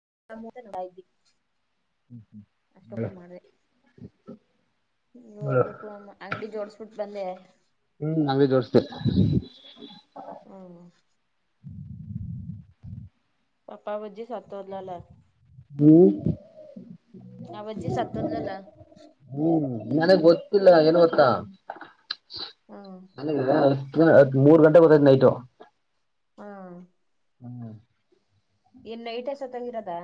[inaudible] ಅಷ್ಟೊಕ್ಕೂ ಹೇಳು ಮಾಡಿದೆ ಹೇಳು ನೋಡಬೇಕು ಅಮ್ಮ ಅಂಗಡಿ ಜೋಡಿಸ ಬಿಟ್ಟ ಬಂದೆ ಹ್ಮ್ ಹಂಗೆ ಜೋಡಿಸ್ದೆ [unintelligible] ಹು ಪಾಪಾವಜ್ಜಿ ಸತ್ತ ಹೋದ್ಲಲ್ಲ ಹು ಅವ್ವಜ್ಜಿ ಸತ್ತೋದ್ಲಲ್ಲ [unintelligible] ನನಗ ಗೊತ್ತಿಲ್ಲ ಏನು ಅಂತ ಹ್ಮ್ [unintelligible] ದ್ ಮೂರ ಗಂಟೆ ಬರ್ತೈತಿ ನೈಟು ಹ್ಮ್ ಹ್ಮ್ ಏನ್ ನೈಟ್ ಜೊತೆಗೆ ಇರೋದಾ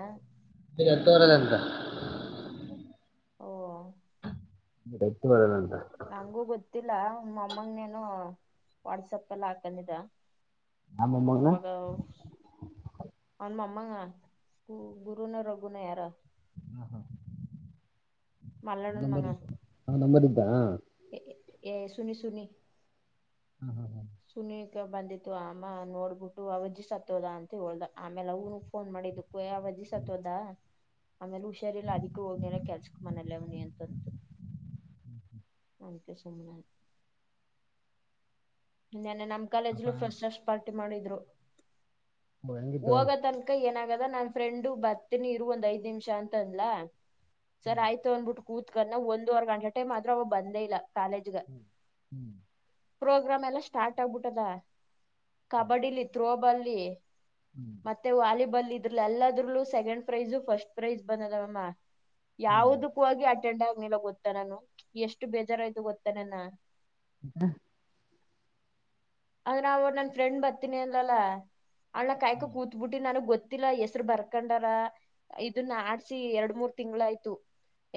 ಎಂಟ್ನೂರ್ ಇವತ್ತ ಓ [unintelligible] ಬರಲ್ಲನ ನಂಗೂ ಗೊತ್ತಿಲ್ಲ ನಮ್ ಅಮ್ಮಂಗೆ ಏನು ವಾಟ್ಸಾಪ್ ಅಲ್ಲಿ ಹಕಂದಿದ್ದ ಆ ಮೊಮ್ಮಗನ ಅವಾಗ ಅ ಅಮ್ಮ ಮಾ ಗುರು ನ ರಘುನ ಯಾರ ಹ ಹಾ - ನಂಬರ್ ಇದ ಹ ನಂಬರ್ ಇದ್ದ ಎ--ಏ ಸುನಿ ಸುನಿ [inaudible] ಸುನೀಕ್ ಬಂದಿತ್ತು ಅಮ್ಮ ನೋಡ್ಬಿಟ್ಟು ಅವಅಜ್ಜಿ ಸತ್ತೋದ ಅಂತ ಹೇಳಿದ ಆಮೇಲೆ ಅವನು ಫೋನ್ ಮಾಡಿ ಇದುಕೆ ಅವಜ್ಜಿ ಸತೋದಾ ಆಮೇಲೆ ಹುಷಾರಿಲ್ಲ ಅದಕ್ಕೂ ಹೋಗಿರ ಕೆಲಸಕ್ಕೂ ಮನಲ್ಲೇ ಅವನಿ ಅಂತಂತು ಅದಕ್ಕೆ ಸುಮ್ಮನೆ ಆದೇ ನಿನ್ನೆ ನಮ್ಮ ಕಾಲೇಜು ಅಪ್ಪ ಫ್ರೆಶರ್ಸ್ ಪಾರ್ಟಿ ಮಾಡಿದ್ರು. ಹೆಂಗಿದ್ದು ಹೋಗ ತನಕ ಏನಾಗ ನನ್ ಫ್ರೆಂಡ್ ಬರ್ತೀನಿ ಇರು ಒಂದ್ ಐದ್ ನಿಮಿಷ ಅಂತ ಅಂದ್ಲ ಸರ್ ಹ್ಮ್ ಆಯ್ತು ಅಂದ್ಬಿಟ್ಟು ಕೂತ ಕ ಒಂದುವರ್ ಗಂಟೆ ಟೈಮ್ ಆದ್ರೂ ಅವ ಬಂದೇ ಇಲ್ಲ. ಹ್ಮ್ ಹ್ಮ್ ಪ್ರೋಗ್ರಾಮ್ ಎಲ್ಲ ಸ್ಟಾರ್ಟ್ ಆಗ್ಬಿಟ್ಟದ ಕಬಡ್ಡಿಲಿ ಥತ್ರೋಬಾಲಿ. ಹ್ಮ್ ಮತ್ತೆ ವಾಲಿಬಾಲ್ ಇದ್ರಲ ಎಲ್ಲದ್ರಲ್ಲೂ ಸೆಕೆಂಡ್ ಪ್ರೈಜ ಫಸ್ಟ್ ಪ್ರೈಜ್ ಬಂದಲ್ಲ ಮಮ್ಮ ಹ್ಮ್ ಹ್ಮ್ ಯಾವದಕ್ಕೂಗ ಅಟೆಂಡ್ ಆಗ್ಲಿಲ್ಲ ಗೊತ್ತಾನಾನು ಎಷ್ಟು ಬೇಜಾರಾಯ್ತು ಗೊತ್ತಾನನ [unintelligible] ಅದ್ರ ಅವರು ನನ್ ಫ್ರೆಂಡ್ ಬರ್ತಿನಿ ಅಲ್ಲಲ್ಲಾ ಅವ್ಳ ಹ್ಮ್ ಕಾಯ್ಕ ಹ್ಮ್ ಕೂತ್ಬಿಟ್ಟಿ ನನಗ್ ಗೊತ್ತ ಗೊತ್ತಿಲ್ಲಾ ಹೆಸ್ರು ಬರ್ಕಂಡಾರ ಇದನ್ನ ಆಡ್ಸಿ ಎರಡ್ ಮೂರ್ ತಿಂಗಳ ಆಯ್ತು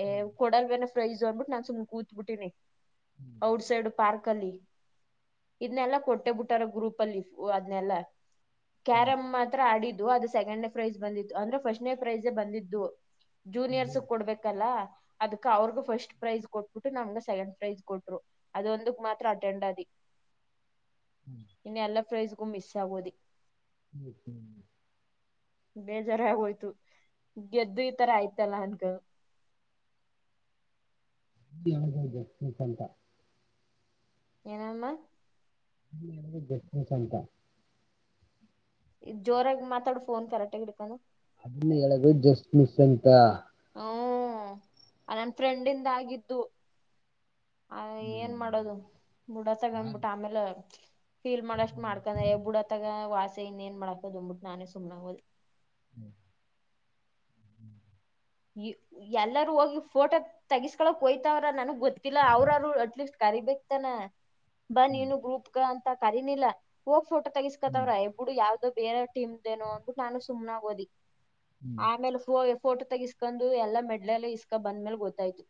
ಏ ಕೊಡಲ್ವನ ಫ್ರೈಜ್ ಅಂದ್ಬಿಟ್ಟು ನಾನ್ ಸುಮ್ ಕೂತ್ಬಿಟ್ಟೀನಿ ಹ್ಮ್ ಔಟ್ ಸೈಡ್ ಪಾರ್ಕ್ ಅಲ್ಲಿ ಇದನೆಲ್ಲಾ ಕೊಟ್ಟೆ ಬಿಟ್ಟಾರ ಗ್ರೂಪ್ ಅಲ್ಲಿ ಅದನೆಲ್ಲ ಹ್ಮ್ ಕ್ಯಾರಂ ಮಾತ್ರ ಆಡಿದ್ದು ಅದು ಸೆಕೆಂಡ್ನೇ ಪ್ರೈಜ್ ಬಂದಿತ್ತು ಅಂದ್ರೆ ಫಸ್ಟ್ನೇ ಪ್ರೈಝೇ ಬಂದಿದ್ದು ಜೂನಿಯರ್ಸ್ ಹ್ಮ್ ಹ್ಮ್ ಕೊಡ್ಬೇಕಲ್ಲ ಅದಕ್ ಅವ್ರಗ ಫಸ್ಟ್ ಪ್ರೈಜ ಕೊಟ್ಬಿಟ್ಟು ನಮ್ಗ ಸೆಕೆಂಡ್ ಪ್ರೈಜ್ ಕೊಟ್ರು ಅದೊಂದಕ್ ಮಾತ್ರ ಅಟೆಂಡ್ ಆಿ [inaudible] ಇನ್ನು ಎಲ್ಲಾ ಪ್ರೈಸ್ಗೂ ಮಿಸ್ ಆಗೋದ ಹೂ ಹೂ ಬೇಜಾರಾಗೋಯ್ತು ಗೆದ್ದು ಈ ತರ ಆಯ್ತಲ್ಲ ಅಂತ [inaudible] ಲ್ಟ ಏನಮ್ಮ ನಿಂಗೂ ಗೊತ್ ಐತು ಅಂತಾ ಜೋರಾಗಿ ಮಾತಾಡು ಫೋನ್ ಕರೆಕ್ಟಗಿ ಇಡ್ಕೊಂಡು ಅದನ್ನ ಹೇಳೋದು ಜಸ್ಟ್ ಮಿಸ್ ಅಂತ ಹೂ ಆ ನನ್ನ ಫ್ರೆಂಡಿಂದ ಆಗಿದು ಆ ಏನ್ ಹ್ಮ್ ಮಾಡೋದು ಬುಡು ಆ ತಗೊಂಡ್ಬಿಟ್ಟ ಆಮೇಲೆ ಫೀಲ್ ಮಾಡಷ್ಟ್ ಮಾಡ್ಕಂದ್ರೆ ಬುಡತ್ತಗ ವಾಸ ಇನ್ ಏನ್ ಮಾಡಾಕೋದು ಅಂದ್ಬಿಟ್ಟು ನಾನೇ ಸುಮ್ನಾಗೋದು ಹೂ ಎಲ್ಲರೂ ಹೋಗಿ ಫೋಟೋ ತಗಸ್ಕಳಕ್ ಹಯ್ತಾವ್ರ ನನಗ್ ಗೊತ್ತಿಲ್ಲ ಅವ್ರಾರರು ಅಟ್ಲೀಸ್ಟ್ ಕರೀಬೇಕು ತಾನೆ ಬಾ ಹ್ಮ್ ನೀನು ಗ್ರೂಪ್ ಅಂತ ಕರಿನಿಲ್ಲ ಹೋಗ್ ಫೋಟೋ ಹ್ಮ್ ಹ್ಮ್ ತಗಸ್ಕತವ್ರ ಇಬಡು ಯಾವ್ದ ಬೇರೆ ಟೀಮ್ ದೇನೋ ಅಂದಬಟ್ಟು ನಾನು ಸುಮ್ಾಗ ಓದಿ ಹ್ಮ್ ಆಮೇಲೆ ಫೋಟೋ ತಗ ಇಸ್ಕೊಂಡು ಎಲ್ಲಾ ಮೆಡ್ಲೆಲ್ಲ ಇಸ್ಕಾ ಬಂದ್ಮೇಲ್ ಗೊತ್ತಾಯ್ತು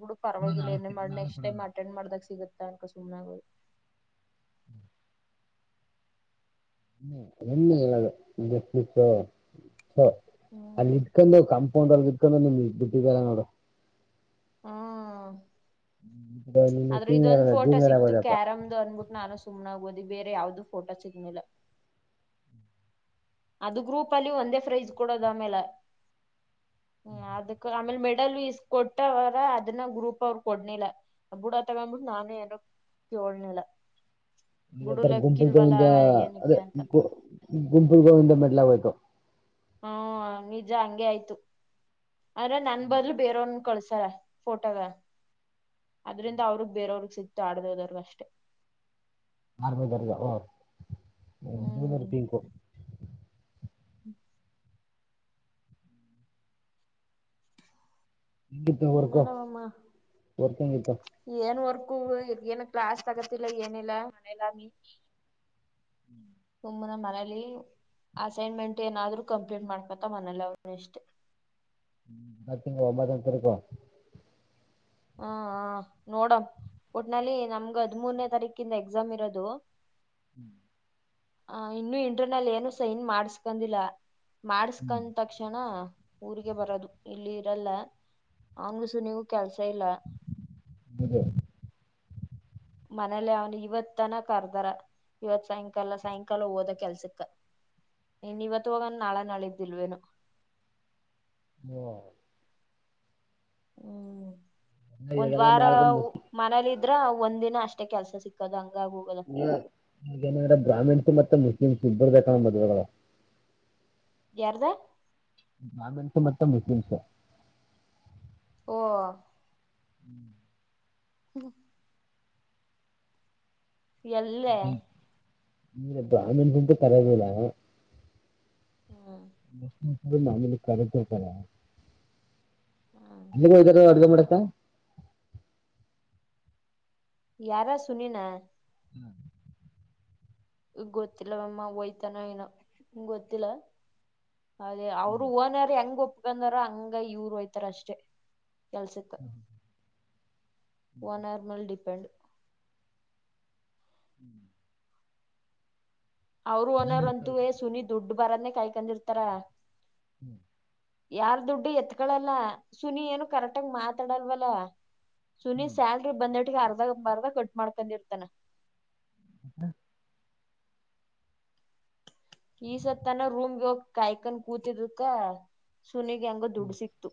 ಬಿುಡು ಪುನಃ ಪರವಾಗಿಲ್ಲ ಏನ ನಾಳೆ ಮಾಡಿ ನಾಳೆ ನೆಕ್ಸ್ಟ್ ಟೈಮ್ ಕೊಡಲ್ಲ ಅಟೆಂಡ್ ಮಾಡ್ದಕ್ ಸಿಗತ್ತ ಅನ್ಕ ಸುಮ್ಗ ಎ್ಣ ಹೇಳಲ್ಲಸ ಹ ಅಲ್ಲಿ ಹ್ಮ್ ಇಟ್ಕೊಂಡು ಕಾಂಪೌಂಡ್ ಅಲ್ಲಿ ಇಟ್ಕೊಂಡು ನಿಮ್ ಇ ಬಿಟ್ಟಿದ್ದಲ್ಲ ನೋಡು ಹ ನೀನು ಅದ್ರು ಸೀನಿಯರ್ ಇದೊಂದ್ ಅಲ್ಲ ಫೋಟೋ ಜೂನಿಯರ್ ಸಿಕ್ತು ಆಗೋದಪ್ಪ ಕ್ಯಾರಮ್ದು ಅನ್ಬಿಟ್ಟು ನಾನು ಸುಮ್ನೇ ಸುಮ್ನ ಓದಿ ಬೇರೆ ಯಾವ್ದು ಫೋಟೋ ಸಿಗ್ನಿಲ್ಲ ಅದು ಗ್ರೂಪ್ ಅಲ್ಲಿ ಒಂದೇ ಫ್ರೈಜ್ ಕೊಡದ ಆಮೇಲೆ ಅದಕ್ ಆಮೇ ಮ ಅಲ್ ಇಸ್ ಕೊಟ್ಟ ಅವರ ಅದನ್ನ ಗ್ರೂಪ್ ಅವ್ರ ಕೊಡ್ನಿಲ್ಲ ಬುಡ ತಗೊಂಡ್ಬಿಟ್ಟ ನಾನು ಏಾರ ಕೇಳಲಿಲ್ಲ ಥರ ಗುಂಪು ಗೋವಿಂದ ಅದೇ ಏನಕ್ಕೆ ಅಂತ ಗುಂಪುರು ಗೋವಿಂದ ಮತ್ತೆ ಇಲ್ಲ ಮತ್ತೆ ಹೂ ನಿಜ ಹಂಗೆ ಆಯ್ತು ಆದ್ರೆ ನನ್ ಬಂದ್ಲು ಬೇರವನ್ ಕಳ್ಸ ಫೋಟೋದ ಅದ್ರಿಂದ ಅವ್ರಗ್ ಬೇರವ್ರಗ್ ಸಿಕ್ತು ಆಡ್ದೋದರ್ಗ ಅಷ್ಟೆ ಆರ ಮದರ್ಗ ಓ ರ ಪಿಂಕು ಹೂ ಹೆಂಗಿತ್ತು ಏನೋ ವರ್ಕು ಒಂದು ಮಾಡು ವರ್ಕ್ ಹೆಂಗಿತ್ತು ಏನ್ ವರ್ ೂ ಇದ ಏನ ಕ್ಲಾಸ್ ತಗತಿಲ್ಲ ಏನಿಲ್ಲ ಮನಲಾಮ ಹೂ ಹೂ ನಮ್ ಮನೆಲ್ಲಿ ಅಸೈನ್ಮೆಂಟ್ ಏನಾದ್ರರು ಕಂಪ್ಲೀಟ್ ಮಾಡ್ಕತ್ತ ಮನಲಿ ಅವ್ರ ಇಷ್ಟೇ ಹೂ ತಿಂಗ ಒಂಬತ್ತ ತರಕ ಹಾ ಹ ನೋಡಂ ಒಟ್ನಲ್ಲಿ ನಮ್ಗ ಹದ್್ಮೂರ್ನೇ ತಾರೀಕಿಂದ ಎಕ್ಸಾಮ್ ಇರೋದು ಹ್ಮ್ [unintelligible] ಹ ಇನ್ನು ಇಂಟರನಲ್ ಏನು ಸೈನ್ ಮಾಡ್ಸ್ಕೊಂದಿಲ್ಲ ಮಾಡಸ್ಕೊಂಡ ತಕ್ಷಣ ಊರಿಗೆ ಬರೋದು ಇಲ್ಲಿ ಇರಲ್ಲ ಆಂಗ್ಸು ನೀವು ಕೆಲ್ಸ ಸಲ [unintelligible] ಇದು ಮನೇಲೆ ಅವ್ನು ಇವತ್ತನ ಕರ್ದಾರ. ಇವತ್ ಸಾಯಂಕಾಲ ಸಾಯಂಕಾಲ ಹೋದ ಕೆಲ್ಸಕ್ಕ. ಇನ್ ಇವತ್ತು ಹೋಗನ ನಾಳ ನಾಳಿದ್ದು ಇಲ್ವೇನೊ ಹ್ಮ [unintelligible] ಹ್ಮ್ ಒಂದ್ ಇವಾಗೆಲ್ಲ ವಾರ ಮಾರದ ಹೊ ಮನೇಲಿ ಇದ್ರ ಒಂದ್ ದಿನ ಅಷ್ಟ್ ಷ್ಟೇ ಕೆಲಸ ಸಿಕ್ಕದಗ್ ಏನ್ ಹೇನ್ರೆ ಬ್ರಾಹ್ಮಿಣ್ಸು ಮತ್ತೆ ಮುಸ್ ಮ್ಮ್ ಇಬ್ಬರ ಬೇಕಾಂದ್ರು ಮದವ್ ಆಗಲ್ ಯಾರದ ಬ್ರಾಹ್ಮಣ್ಸು ಮತ್ತೆ ಮುಸ್ಲಿಮ್ಸ್ ಓ ಹ್ಮ್ ಹ್ಮ [unintelligible] ಎಲ್ಲೆ ಈ ಬ್ರಾಹ್ಮಣ್ಸು ಅಂತೂ ಪಾರಾವಗಿಲ್ಲ ಹ [inaudible] ಅಡುಗೆ ಹ್ಮ್ ಮಾಡಕ [inaudible] ಯಾರ ಸುನಿನ ಹ್ಮ ಗೊತ್ತಿಲ್ಲ ವಮ್ಮ ಒಯ್ತಾನೆ ಏನೊ ಗೊತ್ತಿಲ್ಲ. ಅದೇ ಅವರು ಒನಾರ ಹೆಂಗ ಒಪ್ಕೊಂಡಾರ ಹಂಗ ಇವ್ರು ಹೊಯ್ತಾರೆ ಅಷ್ಟೇ ಕೆಲ್ಸಕ ಒನರ್ ಮೆಲ್ ಡಿಪೆಂಡ್ ಹ್ಮ್ [unintelligible] ಅವರು ಓನರ್ ಚೆನ್ನಾಗಿರ್ತಾರೆ ಅಂತುವೆ ಸುನಿ ದುಡ್ ಬರದ್ನೇ ಕಾಯ್ಕೊಂಡಿರ್ತಾರ. ಹ್ಮ್ ಯಾರ್ ದುಡ್ಡು ಹೇತ್ಕಳಲ್ಲ ಸುನಿ ಏನು ಕರೆಕ್ಟಾಗಿ ಮಾತಾಡಲ್ವಲ್ಲ ಸುನಿ ಹ್ಮ್ ಸ್ಯಾಲ್ರಿ ಬಂದಿಟ್ಟಗೆ ಅರ್ಧ ಬರ್ಧ ಕಟ್ ಮಾಡ್ಕೊಂಡಿರ್ತಾನೆ. ಹದ [unintelligible] ಈ ಸತ್ ತನ ರೂಮ್ಗೆ ಹೋಗ್ ಕಾಯ್ಕೊಂಡ್ ಕೂತಿದ್ಕ. ಸುನಿಗೆ ಹೆಂಗೊ ದುಡ್ಡು ಸಿಕ್ತು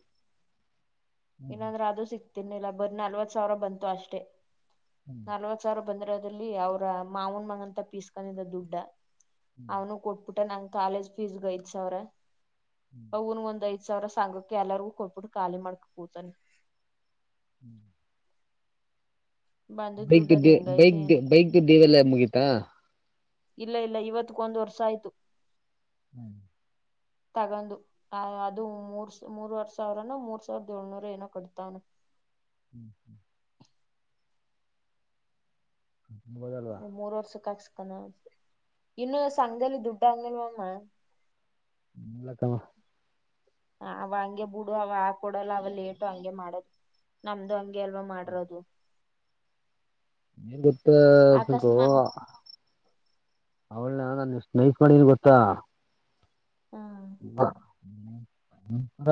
ಹ್ಮ್ ಇನ್ನಂದ್ರೆ ಅದು ಸಿಗ್ತನ ಇರಲಿಲ್ಲ ಬರಿ ನಲವತ್ತ್ ಸಾವಿರ ಬಂತು ಅಷ್ಟೇ. ಹ್ಮ್ ಹ್ಮ್ ನಲವತ್ ಸಾವಿರ ಬಂದ್ರೆ ಅದ್ರಲ್ಲಿ ಅವ್ರ ಮಾವನ್ ಮಗಂತ ಪೀಸ್ಕೊಂಡಿದ್ದ ದುಡ್ಡ ಅವನು ಕೊಟ್ಟಬಿಟ್ಟ ನನ್ ಕಾಲೇಜ್ ಫೀಸ್ಗೆ ಐದ್ ಸಾವಿರ ಹ್ಮ್ ಅವನ್ ಒಂದ್ ಐದ್ ಒ ಸಾವಿರ ಸಂಘಕ್ಕೆ ಎಲ್ಲಾರ್ಗೂ ಕೊಟ್ಬಿಟ್ಟು ಖಾಲಿ ಮಾಡ್ಕಕ್ ಕೂತಾನೆ ಹ್ಮ್ ಬಂದಿದ್ ಬೈಕ್ ದುಡ್ಡ್ ಅದ್ ದ ಹೆಂಗಾಯ್ತೋ ಬೈಕ್ ಏನೋ ಬೈಕ್ ದೇವೆಲ್ಲ ಮುಗೀತಾ ಇಲ್ಲ ಇಲ್ಲ ಇವತ್ತಕ್ಕೊಂದು ವರ್ಷ ಆಯ್ತು. ಹ್ಮ್ [inaudible] ತಗೊಂಡ್ ಅ ಅದು ಮೂರ್ ಮೂರ್ವರ್ ಸಾವಿರನ ಮೂರ್ ಸಾವಿರದ ಏಳ್ನೂರ ಏನೋ ಕಟ್ತಾವನೆ. ಹ್ಮ್ ಹ್ಮ್ [inaudible] ಹೌದಲ್ವಾ ಅದೇ ಮೂರ್ ವರ್ಷಕ್ಕೆ ಹಾಕ್ [unintelligible] ಇನ್ನು ಸಂಘದಲ್ಲಿ ದುಡ್ಡಾಂಗವಾಮ ವಿಳಕವಾ [unintelligible] ಅವ ಹಂಗೆ ಬಿಡು ಅವ ಕೊಡಲ್ಲ ಅವ ಲೇಟು ಹಂಗೆ ಮಾಡದು ನಮ್ದು ಹಂಗ್ ಎಲ್ವ ಮಾಡರೋದು ಹೆಂಗ ಇತಗ್ಗೋವ ಅಕಸ್ಮಾ [unintelligible] ಅವ ನಾನಷ್ಟ ನಹಸ್ ಮಾಡಿದನ್ ಗೊತ್ತಾ [unintelligible] ಹಾ [inaudible] ಹ ಹ್ಮ [unintelligible] ನರ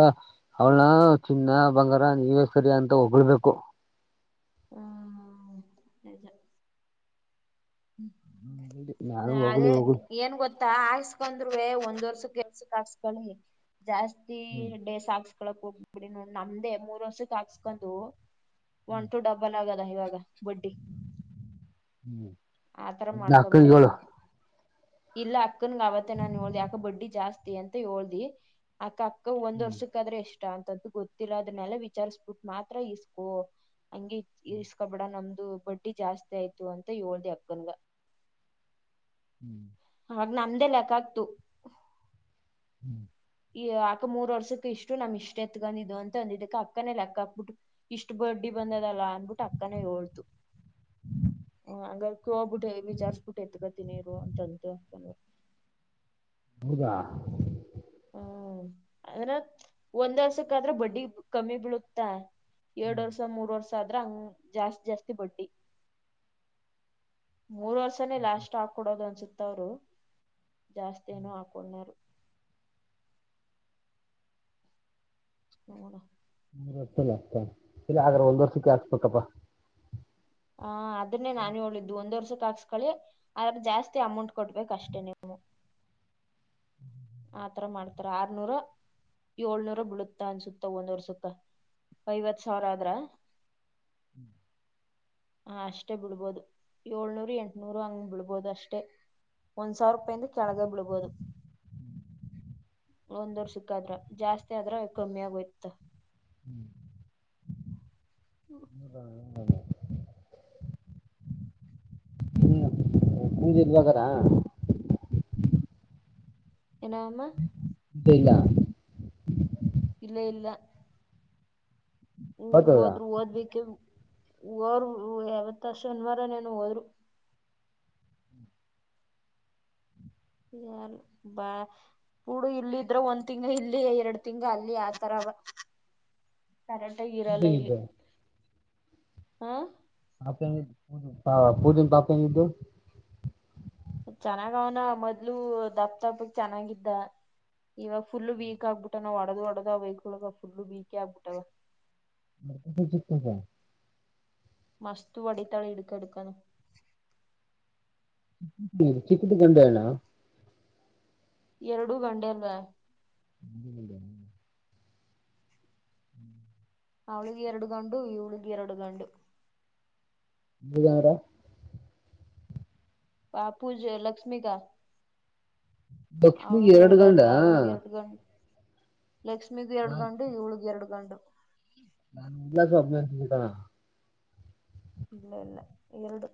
ಅವಳನ ಚಿನ್ನ ಬಂಗಾರ ನೀವೇ ಸರಿ ಅಂತ ಹೊಗ್ಳ್ಬೇಕು ಹ್ಮ್ಜ [inaudible] ್ಮ ನಾನು ಹೊಗಳಿ ಅದೇ ಹೊಗಳಿ ಏನ್ ಗೊತ್ತ ತ್ತ ಹಾಸ್ಕಂದ್ರು ಒಂದ್ ವರ್ಷ ಕೆಲ್ಸಕ್ ಹಾಕ್ಸ್ಕಳಿ ಜಾಸ್ತಿ ಹ್ಮ್ ಡೇಸ್ಾಕ್ಸ್ [unintelligible] ಳಕ್ ಹೋಗ್ಬಿಡಿ ನೋ ನಮ್ದೇ ಮೂರ್ ವರ್ಷಕ್ಕೆ ಹಾಕ್ಸ್ಕೊಂಡು ಹ್ಮ್ ಒಂದುಟು ಡಬ್ಬನ್ ಆಗ [unintelligible] ದಾಯಿವಾಗ ಬಡ್ಡಿ [unintelligible] ಆತರ ಹ್ಮ್ ಮಾಡ್ಕೋಬೇಡಿ. ಅಕನಗೆಳ [unintelligible] ಇಲ್ಲ ಅಕ್ಕನ್ ಅವತ್ತ ನಾನು ಹೇಳ್ದಿ ಅಕ್ಕ ಬಡ್ಡಿ ಜಾಸ್ತಿ ಅಂತ ಹೇಳ್್ದಿ ಅಕ್ಕ ಅ ಒಂದ್ ಹ್ಮ್ ವರ್ಷಕ್ಕ ಆದ್ರೆ ಇಷ್ಟ ಅಂತಂತು ಗೊತ್ತಿಲ್ಲ ಅದನ್ನಲ್ಲ ವಿಚಾರಸ್ಬಿಟ್ಟು ಮಾತ್ರ ಇಸ್ಕು ಹಂಗೆ ಇರ್ಸ್ಕ ಬಿಡ ನಮ್ದು ಬಡ್ಡಿ ಜಾಸ್ತಿ ಆಯ್ತು ಅಂತ ಹೇಳೋಳ್್ದ ಅಕ್ಕನ್ಗ ಹ್ಮ್ ಅವಾಗ ನಮ್ದೇ ಲೆಕ್ಕ ಆಗ್ತು [unintelligible] ಹ್ಮ್ ಈ ಅಕ್ಕ ಮೂರ್ ವರ್ಷಕ್ಕೆ ಇಷ್ಟು ನಮ್ ಇಷ್ಟ್ ಎತ್ಕೊಂಡ್ು ಅಂತ ಅಂದಿದ್ದಕ್ಕೆ ಅಕ್ಕನೇ ಅಕ್ಕ ಹಕ್ಬಿಟ್ಟು ಇಷ್ಟು ಬಡ್ಡಿ ಬಂದದಲ್ಲ ಅಂದ್ಬಿಟ್ಟು ಅಕ್ಕನೇ ಹೇಳ್ತು [inaudible] ಹ ಹಾಗಂಗಕ್ಕೆ ಹೋಗ್ಬಿಟ್ಟೆ ವಿಚಾರ್ಸ್ಬಿಟ್ಟು ಎತ್ಕತೀ ನೀರು ಅಂತಂತ ಆಗ್ತ ಹೌದಾ ಹ್ಮ ಅದ್ರ ಒಂದ್ ವರ್ಷಕ್ಕಾದ್ರೆ ಬಡ್ಡಿ ಕಮ್ಮಿ ಬೀಳುತ್ತಾ ಎರಡ್ ವರ್ಷ ಮೂರ್ ವರ್ಷ ಆದ್ರ ಹಂಗ ಜಾಸ್ತಿ ಜಾಸ್ತಿ ಆಗುತ್ತೆ ಬಡಿ ಮೂರ್ ವರ್ಷನೇ ಲಾಸ್ಟ್ ಹಾ ಕೊೊಡೋದು ಅನ್ಸುತ್ತವರು ಜಾಸ್ತೇನ ಆಕಳ್ಳ [inaudible] ಹದ ಇಲೆ ಆದ್ರೆ ಒಂದ್ ವರ್ಷಕ್ಕೆ ಹಾಕ್ಬೇಕಪ್ಪಾ ಹ ಅದನ್ನೇ ನಾನ ಹೇಳಿದ್ದು ಒಂದ್ ವರ್ಷ ಕಾಸ್ಕಿ ಅದ ಜಾಸ್ತಿ ಅಮೌಂಟ್ ಕೊಡ್ಬೇಕ ಅಷ್ಟೇ ನೀವು ಆತರ ಮಾಡ್ತಾರ ಆರ್ನೂರ ಏಳ್ನೂರ ಬಿಳುತ್ತಾ ಅನ್ಸುತ್ತ ಒಂದವರ್ ಸಕ್ಕ ಐವತ್ ಸಾವಿರ ಆದ್ರ [inaudible] ಹ ಅಷ್ಟೇ ಬಿಳ್ಬೋದು ಏಳ್ನೂರು ಎಂಟನೂರು ಹಂಗ ಬಿಳ್ಬೋದು ಅಷ್ಟೇ ಒಂದ್ ಸಾವಿರ ರೂಪಾಯಿಂದ ಕೆಳಗ ಬಿಡ್ಬೋುದು [unintelligible] ಒಂದ್ ವರ್ ಸಿಕ್ಕಾದ್ರ ಜಾಸ್ತಿ ಆದ್ರ ಕಮ್ಮಿ ಆಗೋಯ್ತ [inaudible] ಹ್ಮ್ [unintelligible] ಏನ ವಾಮ ಬೀಲ್ಲಾ ಇಲ್ಲ ಇಲ್ಲ ಊರ್ಗ್ ಗೊತ್ತದ ಹೋದ್ರು ಓದ್ಬೇಕೆ ಹೋರು ಯಾವತ್ತ ಶನಿವಾರ ನೇನು ಹೋದ್ರು ಏನ ಬಾ ಕೂಡು ಇಲ್ಲ ಇದ್ರ ಒಂದ್ ತಿಂಗ್ ಇಲ್ಲಿ ಎರಡ್ ತಿಂಗ ಅಲ್ಲಿ ಆತರವ [inaudible] ಕರಾಟೆ ಇರಲ್ಲ ಇಲ್ಲಿ ಪೂಜೆಗಿದ್ದು ಹಾ ಪ ಪಾ ಪೂಟನ್ ಪತಿದ್ದು ಚೆನ್ನಾಗ ಅವನ ಮೊದ್ಲು ದಪ್ಪ ದಪ್ಪಕ್ ಚೆನ್ನಾಗಿದ್ದ. ಇವಾಗ ಫುಲ್ ವೀಕ್ ಆಗ್ಬಿಟ್ಟ ನಾವು ಅಡದು ಹೊಡದ ವೈಕ್ಳಗ ಫುಲ್ ವೀಕೇ ಆಗ್ಬಿಟ್ಟವ. [unintelligible] ಮಸ್ತು ವಡಿತಾಳೆ ಹಿಡ್ಕಂಡ್ ಹಿಡ್ಕಂಡ್. [unintelligible] ಎರಡುೂ ಗಂಡೆ ಅಲ್ವಾ. [unintelligible] ಅವಳಿಗೆ ಎರಡು ಗಂಡು ಇವಳಿಗೆ ಎರಡು ಗಂಡು. [unintelligible] ಪಾಪೂಜ ಲಕ್ಷ್ಮಿಗಾ. ಲಕ್ಷ್ಮಿ ಎರಡು ಗಂಡ ಹಾ. ಲಕ್ಷ್ಮೀಗ ಎರಡು ಗಂಡು ಇವಳಗು ಎರಡು ಗಂಡು. ನಾನು [unintelligible] ಇಲ್ಲ ಇಲ್ಲ ಎರಡು.